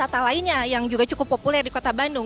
wisata lainnya yang juga cukup populer di kota bandung